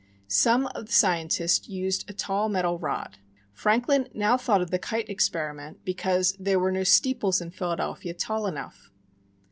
Some of the scientists used a tall metal rod. Franklin now thought of the kite experiment, because there were no steeples in Philadelphia tall enough.